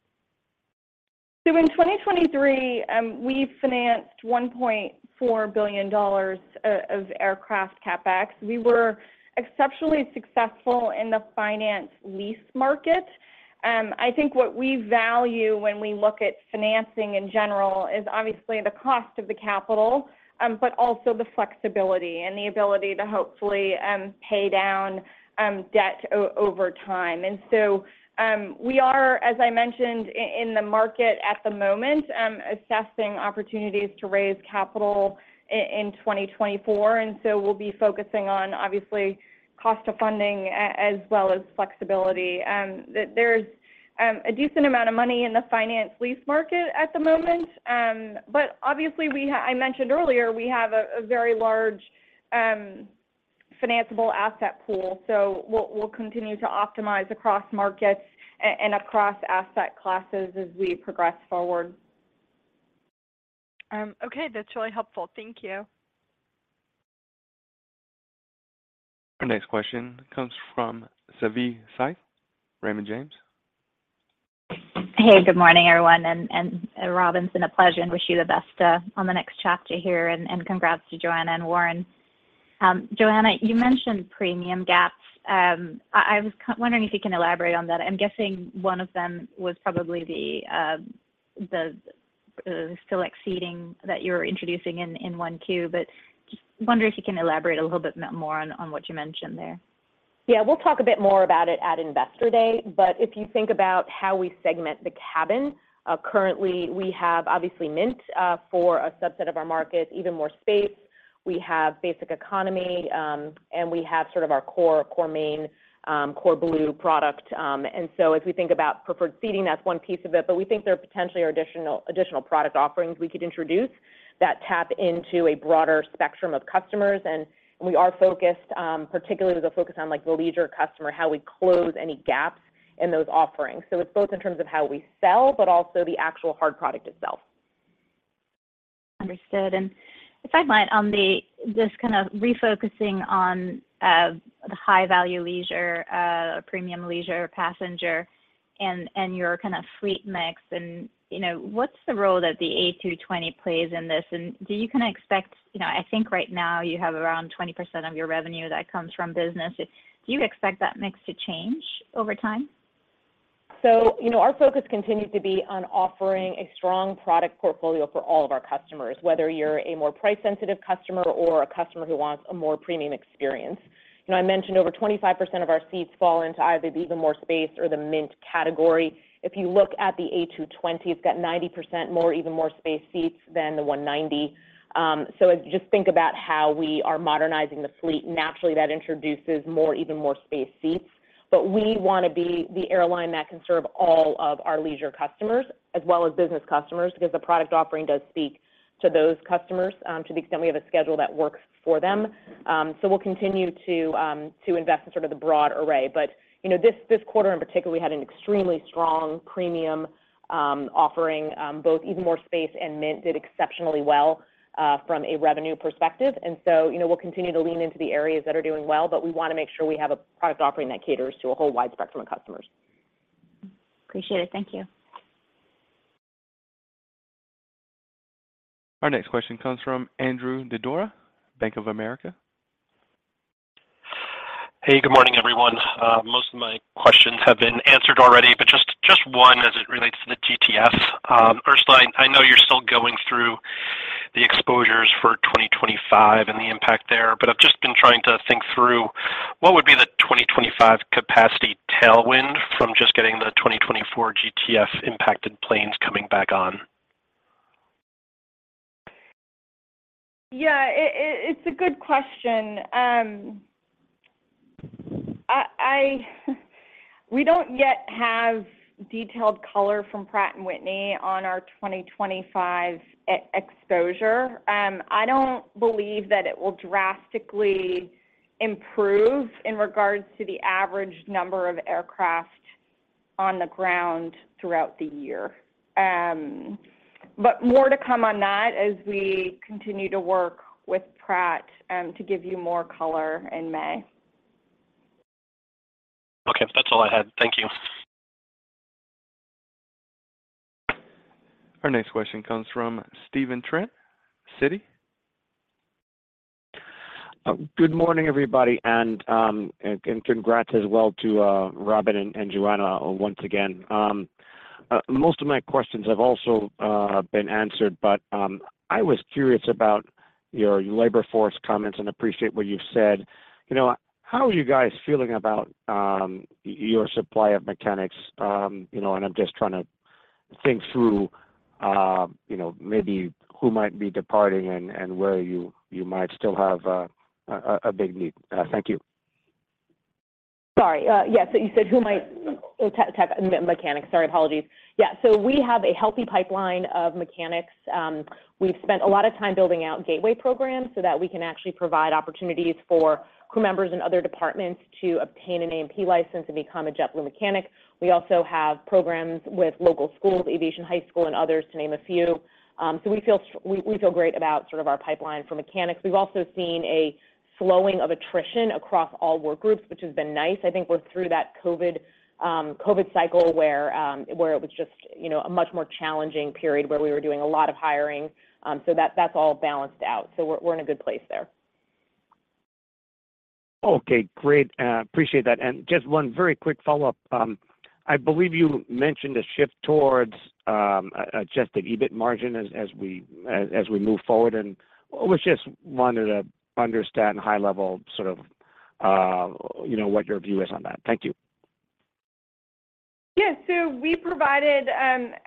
In 2023, we financed $1.4 billion of aircraft CapEx. We were exceptionally successful in the finance lease market. I think what we value when we look at financing in general is obviously the cost of the capital, but also the flexibility and the ability to hopefully pay down debt over time. So, we are, as I mentioned, in the market at the moment, assessing opportunities to raise capital in 2024, and so we'll be focusing on obviously cost of funding as well as flexibility. There's a decent amount of money in the finance lease market at the moment, but obviously, we have, I mentioned earlier, we have a very large financeable asset pool, so we'll continue to optimize across markets and across asset classes as we progress forward. Okay, that's really helpful. Thank you. Our next question comes from Savi Syth, Raymond James. Hey, good morning, everyone, and Robin, it's been a pleasure and wish you the best on the next chapter here, and congrats to Joanna and Warren. Joanna, you mentioned premium gaps. I was wondering if you can elaborate on that. I'm guessing one of them was probably the preferred seating that you were introducing in 1Q, but just wonder if you can elaborate a little bit more on what you mentioned there. Yeah, we'll talk a bit more about it at Investor Day, but if you think about how we segment the cabin, currently, we have obviously Mint for a subset of our market, Even More Space. We have basic economy, and we have sort of our core, core main, core Blue product. And so if we think about preferred seating, that's one piece of it, but we think there potentially are additional, additional product offerings we could introduce that tap into a broader spectrum of customers. And, and we are focused, particularly the focus on, like, the leisure customer, how we close any gaps in those offerings. So it's both in terms of how we sell, but also the actual hard product itself. Understood. And if I might, on the just kind of refocusing on the high-value leisure, premium leisure passenger and, and your kind of fleet mix and, what's the role that the A220 plays in this? And do you kind of? I think right now you have around 20% of your revenue that comes from business. Do you expect that mix to change over time? our focus continues to be on offering a strong product portfolio for all of our customers, whether you're a more price-sensitive customer or a customer who wants a more premium experience. I mentioned over 25% of our seats fall into either the Even More Space or the Mint category. If you look at the A220, it's got 90% more Even More Space seats than the E190. So as you just think about how we are modernizing the fleet, naturally, that introduces more Even More Space seats. But we want to be the airline that can serve all of our leisure customers as well as business customers because the product offering does speak to those customers, to the extent we have a schedule that works for them. So we'll continue to invest in sort of the broad array. But, this, this quarter in particular, we had an extremely strong premium offering, both Even More Space and Mint did exceptionally well from a revenue perspective. And so, we'll continue to lean into the areas that are doing well, but we want to make sure we have a product offering that caters to a whole wide spectrum of customers. Appreciate it. Thank you. Our next question comes from Andrew Didora, Bank of America. Hey, good morning, everyone. Most of my questions have been answered already, but just, just one as it relates to the GTF. First line, I know you're still going through the exposures for 2025 and the impact there, but I've just been trying to think through what would be the 2025 capacity tailwind from just getting the 2024 GTF-impacted planes coming back on? Yeah, it's a good question. We don't yet have detailed color from Pratt & Whitney on our 2025 exposure. I don't believe that it will drastically improve in regards to the average number of aircraft on the ground throughout the year. But more to come on that as we continue to work with Pratt, to give you more color in May. Okay. That's all I had. Thank you. Our next question comes from Stephen Trent, Citi. Good morning, everybody, and congrats as well to Robin and Joanna once again. Most of my questions have also been answered, but I was curious about your labor force comments and appreciate what you've said. how are you guys feeling about your supply of mechanics? and I'm just trying to think through, maybe who might be departing and where you might still have a big need. Thank you. Sorry, yes, so you said who might? Tech, mechanics. Sorry, apologies. Yeah, so we have a healthy pipeline of mechanics. We've spent a lot of time building out Gateway programs so that we can actually provide opportunities for crew members in other departments to obtain an A&P license and become a JetBlue mechanic. We also have programs with local schools, Aviation High School, and others, to name a few. So we feel great about sort of our pipeline for mechanics. We've also seen a slowing of attrition across all workgroups, which has been nice. I think we're through that COVID cycle where it was just, a much more challenging period where we were doing a lot of hiring. So that's all balanced out, so we're in a good place there. Okay, great. Appreciate that. And just one very quick follow-up. I believe you mentioned a shift towards adjusted EBIT margin as we move forward, and was just wanted to understand high level, sort of, what your view is on that. Thank you. Yes. So we provided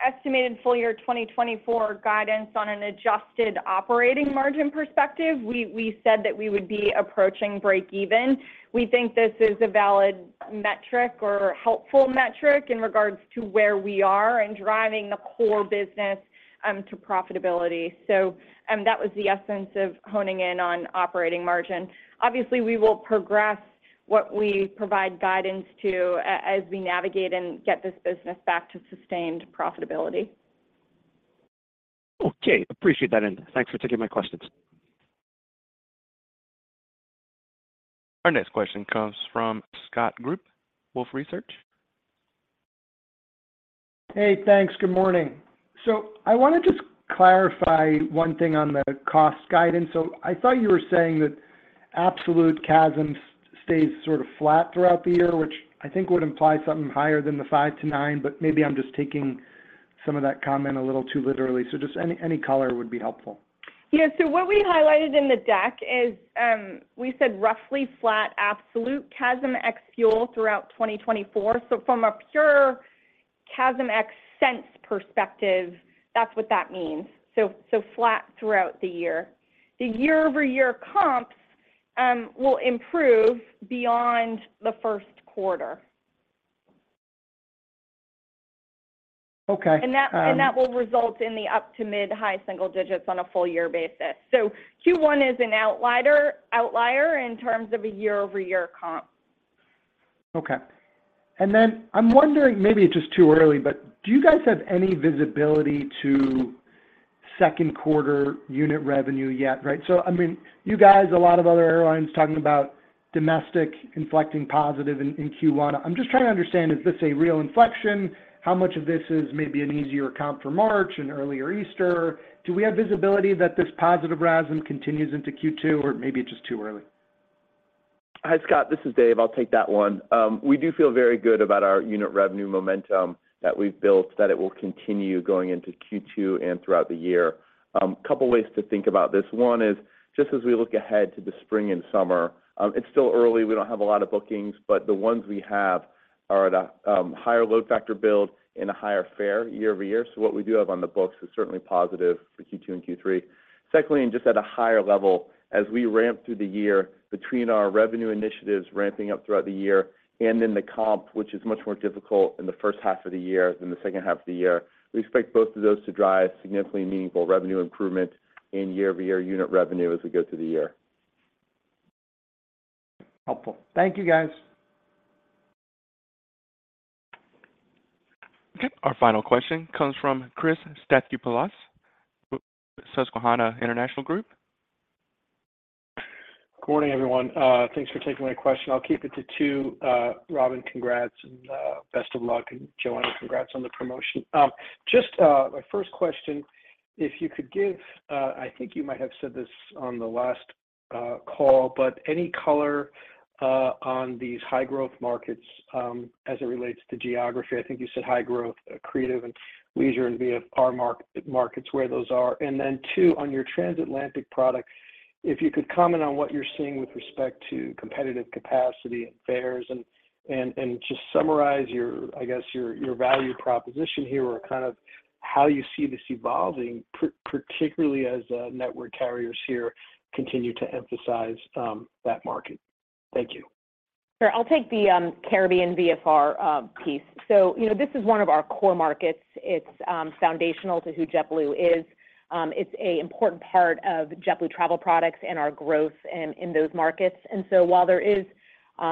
estimated full year 2024 guidance on an adjusted operating margin perspective. We, we said that we would be approaching break even. We think this is a valid metric or helpful metric in regards to where we are in driving the core business to profitability. So, that was the essence of honing in on operating margin. Obviously, we will progress what we provide guidance to as we navigate and get this business back to sustained profitability. Okay, appreciate that, and thanks for taking my questions. Our next question comes from Scott Group, Wolfe Research. Hey, thanks. Good morning. So I want to just clarify one thing on the cost guidance. So I thought you were saying that absolute CASM stays sort of flat throughout the year, which I think would imply something higher than the 5-9, but maybe I'm just taking some of that comment a little too literally. So just any, any color would be helpful. Yeah. So what we highlighted in the deck is, we said roughly flat absolute CASM ex-fuel throughout 2024. So from a pure CASM ex-fuel sense perspective, that's what that means, so, so flat throughout the year. The year-over-year comps will improve beyond the first quarter. Okay, That will result in up to mid-high single digits on a full-year basis. So Q1 is an outlier in terms of a year-over-year comp. Okay. And then I'm wondering, maybe it's just too early, but do you guys have any visibility to second quarter unit revenue yet, right? So, I mean, you guys, a lot of other airlines talking about domestic inflecting positive in Q1. I'm just trying to understand, is this a real inflection? How much of this is maybe an easier comp for March and earlier Easter? Do we have visibility that this positive RASM continues into Q2, or maybe it's just too early? Hi, Scott, this is Dave. I'll take that one. We do feel very good about our unit revenue momentum that we've built, that it will continue going into Q2 and throughout the year. Couple ways to think about this. One is, just as we look ahead to the spring and summer, it's still early, we don't have a lot of bookings, but the ones we have are at a higher load factor build and a higher fare year-over-year. So what we do have on the books is certainly positive for Q2 and Q3. Secondly, and just at a higher level, as we ramp through the year between our revenue initiatives ramping up throughout the year and in the comp, which is much more difficult in the first half of the year than the second half of the year, we expect both of those to drive significantly meaningful revenue improvement in year-over-year unit revenue as we go through the year. Helpful. Thank you, guys. Okay. Our final question comes from Chris Stathoulopoulos, Susquehanna International Group. Good morning, everyone. Thanks for taking my question. I'll keep it to two. Robin, congrats, and best of luck, and Joanna, congrats on the promotion. Just my first question, if you could give I think you might have said this on the last call, but any color on these high-growth markets as it relates to geography? I think you said high growth, creative, and leisure and VFR markets, where those are. And then 2, on your transatlantic products, if you could comment on what you're seeing with respect to competitive capacity and fares, and just summarize your, I guess, your value proposition here or kind of how you see this evolving, particularly as network carriers here continue to emphasize that market. Thank you. Sure. I'll take the Caribbean VFR piece. So, this is one of our core markets. It's foundational to who JetBlue is. It's an important part of JetBlue Travel Products and our growth in those markets. And so while there is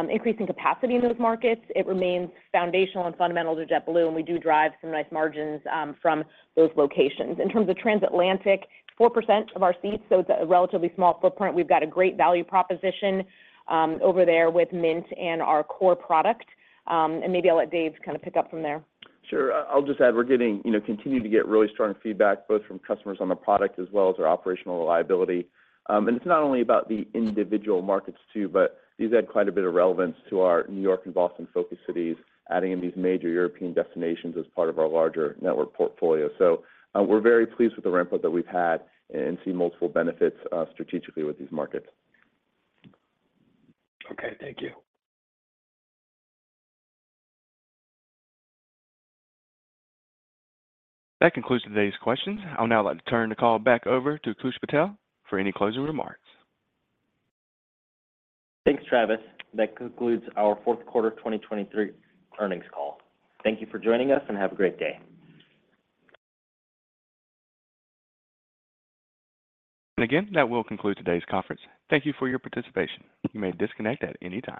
increasing capacity in those markets, it remains foundational and fundamental to JetBlue, and we do drive some nice margins from those locations. In terms of transatlantic, 4% of our seats, so it's a relatively small footprint. We've got a great value proposition over there with Mint and our core product. And maybe I'll let Dave kind of pick up from there. Sure. I'll just add, we're getting, continuing to get really strong feedback, both from customers on the product as well as our operational reliability. And it's not only about the individual markets, too, but these add quite a bit of relevance to our New York and Boston-focused cities, adding in these major European destinations as part of our larger network portfolio. So, we're very pleased with the ramp-up that we've had and see multiple benefits, strategically with these markets. Okay, thank you. That concludes today's questions. I'll now like to turn the call back over to Koosh Patel for any closing remarks. Thanks, Travis. That concludes our fourth quarter of 2023 earnings call. Thank you for joining us, and have a great day. And again, that will conclude today's conference. Thank you for your participation. You may disconnect at any time.